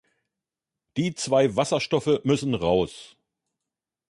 Die zwei Wasserstoffe müssen raus.